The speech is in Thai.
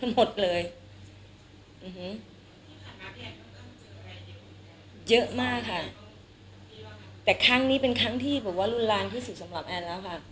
หมดเลยเยอะมากค่ะแต่ครั้งนี้เป็นครั้งที่แบบว่ารุนแรงที่สุดสำหรับแอนแล้วค่ะ